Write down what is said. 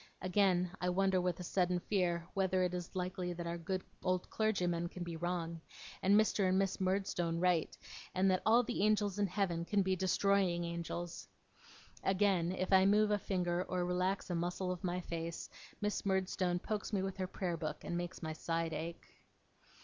Again, I wonder with a sudden fear whether it is likely that our good old clergyman can be wrong, and Mr. and Miss Murdstone right, and that all the angels in Heaven can be destroying angels. Again, if I move a finger or relax a muscle of my face, Miss Murdstone pokes me with her prayer book, and makes my side ache.